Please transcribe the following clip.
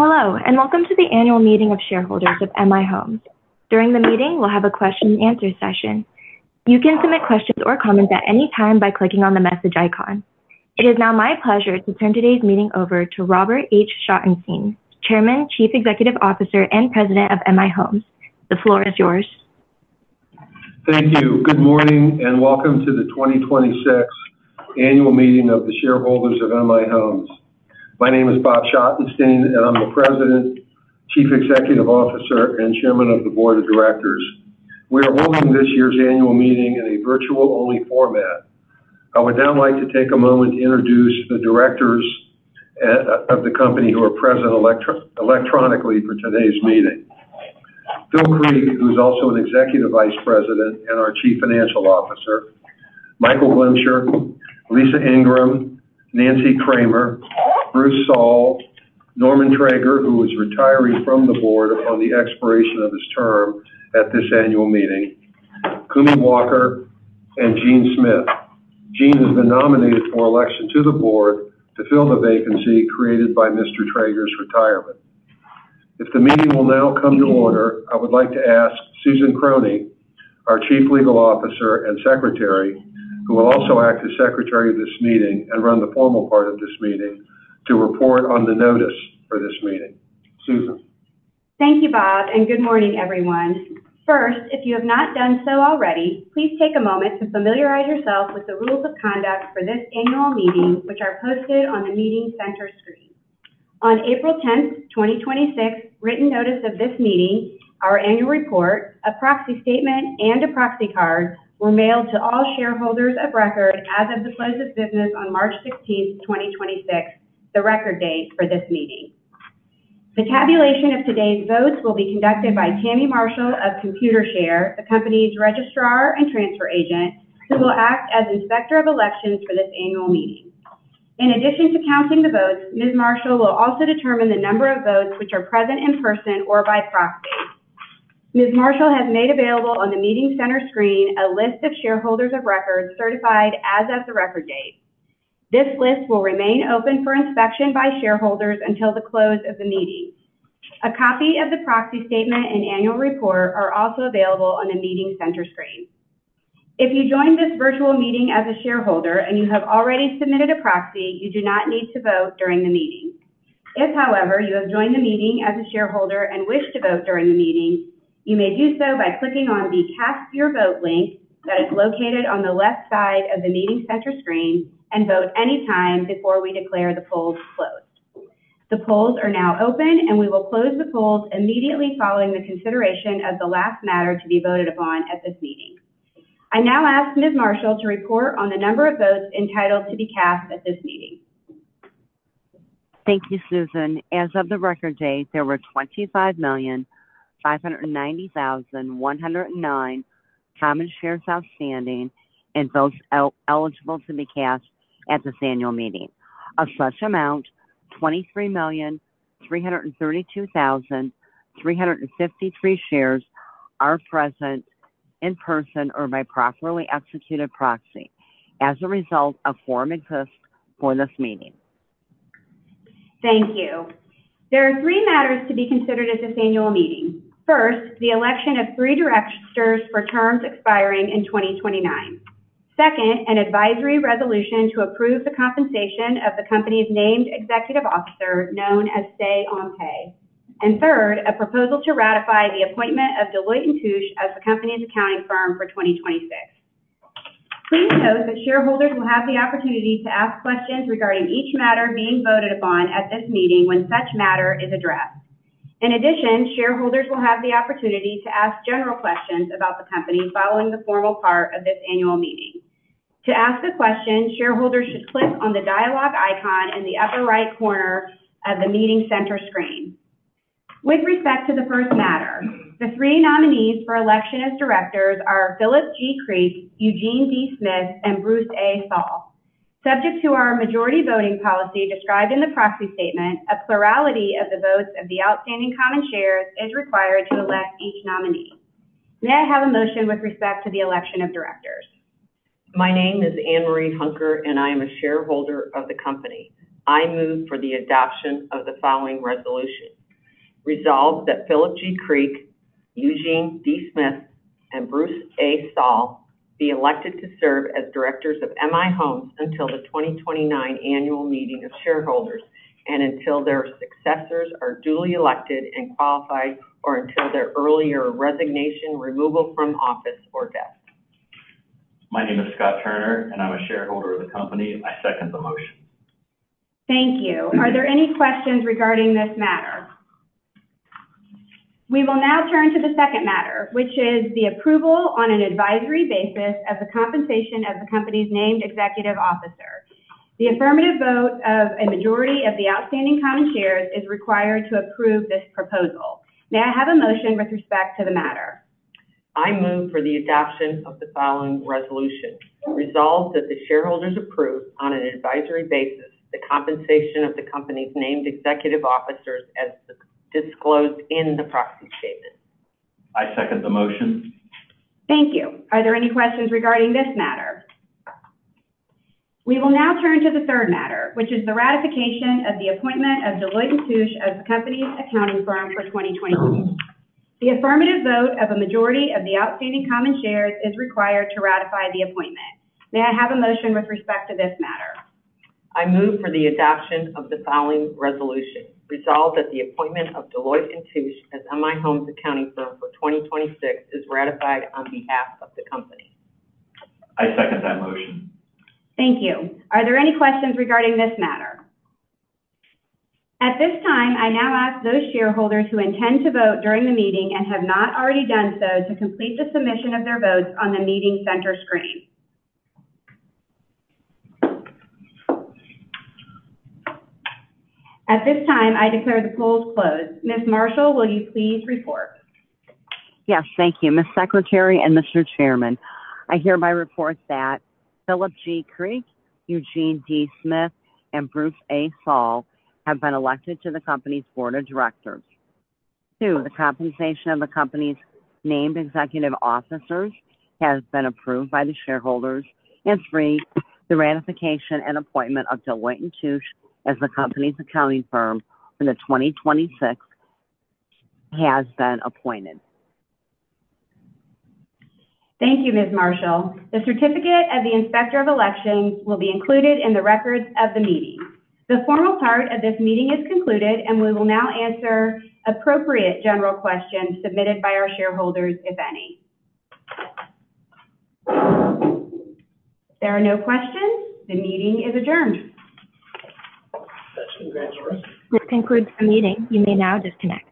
Hello, and welcome to the annual meeting of shareholders of M/I Homes. During the meeting, we'll have a question and answer session. You can submit questions or comments at any time by clicking on the message icon. It is now my pleasure to turn today's meeting over to Robert H. Schottenstein, Chairman, Chief Executive Officer, and President of M/I Homes. The floor is yours. Thank you. Good morning. Welcome to the 2026 annual meeting of the shareholders of M/I Homes, Inc. My name is Robert H. Schottenstein, I'm the President, Chief Executive Officer, and Chairman of the Board of Directors. We are holding this year's annual meeting in a virtual-only format. I would now like to take a moment to introduce the Directors of the company who are present electronically for today's meeting. Phillip G. Creek, who's also an Executive Vice President and our Chief Financial Officer. Michael P. Glimcher, Elizabeth K. Ingram, Nancy J. Kramer, Bruce A. Soll, Norman L. Traeger, who is retiring from the Board upon the expiration of his term at this annual meeting, Kumi D. Walker, and Eugene D. Smith. Eugene has been nominated for election to the Board to fill the vacancy created by Mr. Traeger's retirement. If the meeting will now come to order, I would like to ask Susan E. Krohne, our Chief Legal Officer and Secretary, who will also act as secretary of this meeting and run the formal part of this meeting to report on the notice for this meeting. Susan. Thank you, Bob. Good morning, everyone. First, if you have not done so already, please take a moment to familiarize yourself with the rules of conduct for this annual meeting, which are posted on the meeting center screen. On April 10th, 2026, written notice of this meeting, our annual report, a proxy statement, and a proxy card were mailed to all shareholders of record as of the close of business on March 16th, 2026, the record date for this meeting. The tabulation of today's votes will be conducted by Tammy Marshall of Computershare, the company's registrar and transfer agent, who will act as inspector of elections for this annual meeting. In addition to counting the votes, Ms. Marshall will also determine the number of votes which are present in person or by proxy. Ms. Marshall has made available on the meeting center screen a list of shareholders of records certified as of the record date. This list will remain open for inspection by shareholders until the close of the meeting. A copy of the proxy statement and annual report are also available on the meeting center screen. If you joined this virtual meeting as a shareholder and you have already submitted a proxy, you do not need to vote during the meeting. If, however, you have joined the meeting as a shareholder and wish to vote during the meeting, you may do so by clicking on the Cast your vote link that is located on the left side of the meeting center screen and vote any time before we declare the polls closed. The polls are now open, and we will close the polls immediately following the consideration of the last matter to be voted upon at this meeting. I now ask Ms. Marshall to report on the number of votes entitled to be cast at this meeting. Thank you, Susan. As of the record date, there were 25,590,109 common shares outstanding and votes eligible to be cast at this annual meeting. Of such amount, 23,332,353 shares are present in person or by properly executed proxy. As a result, a quorum exists for this meeting. Thank you. There are 3 matters to be considered at this annual meeting. First, the election of 3 directors for terms expiring in 2029. Second, an advisory resolution to approve the compensation of the company's named executive officer known as say on pay. Third, a proposal to ratify the appointment of Deloitte & Touche as the company's accounting firm for 2026. Please note that shareholders will have the opportunity to ask questions regarding each matter being voted upon at this meeting when such matter is addressed. In addition, shareholders will have the opportunity to ask general questions about the company following the formal part of this annual meeting. To ask a question, shareholders should click on the dialogue icon in the upper right corner of the meeting center screen. With respect to the first matter, the 3 nominees for election as directors are Phillip G. Creek, Eugene D. Smith, and Bruce A. Soll. Subject to our majority voting policy described in the proxy statement, a plurality of the votes of the outstanding common shares is required to elect each nominee. May I have a motion with respect to the election of directors? My name is Ann Marie Hunker, and I am a shareholder of the company. I move for the adoption of the following resolution. Resolved that Phillip G. Creek, Eugene D. Smith, and Bruce A. Soll be elected to serve as directors of M/I Homes until the 2029 annual meeting of shareholders and until their successors are duly elected and qualified or until their earlier resignation, removal from office, or death. My name is Scott Turner, and I'm a shareholder of the company. I second the motion. Thank you. Are there any questions regarding this matter? We will now turn to the second matter, which is the approval on an advisory basis of the compensation of the company's named executive officer. The affirmative vote of a majority of the outstanding common shares is required to approve this proposal. May I have a motion with respect to the matter? I move for the adoption of the following resolution. Resolved that the shareholders approve on an advisory basis the compensation of the company's named executive officers as disclosed in the proxy statement. I second the motion. Thank you. Are there any questions regarding this matter? We will now turn to the third matter, which is the ratification of the appointment of Deloitte & Touche as the company's accounting firm for 2026. The affirmative vote of a majority of the outstanding common shares is required to ratify the appointment. May I have a motion with respect to this matter? I move for the adoption of the following resolution. Resolved that the appointment of Deloitte & Touche as M/I Homes' accounting firm for 2026 is ratified on behalf of the company. I second that motion. Thank you. Are there any questions regarding this matter? At this time, I now ask those shareholders who intend to vote during the meeting and have not already done so to complete the submission of their votes on the meeting center screen. At this time, I declare the polls closed. Ms. Marshall, will you please report? Yes, thank you. Ms. Secretary and Mr. Chairman, I hereby report that Phillip G. Creek, Eugene D. Smith, and Bruce A. Soll have been elected to the company's board of directors. 2, the compensation of the company's named executive officers has been approved by the shareholders. 3, the ratification and appointment of Deloitte & Touche as the company's accounting firm for 2026 has been appointed. Thank you, Ms. Marshall. The certificate of the inspector of elections will be included in the records of the meeting. The formal part of this meeting is concluded, and we will now answer appropriate general questions submitted by our shareholders, if any. If there are no questions, the meeting is adjourned. That's unanimous. This concludes the meeting. You may now disconnect.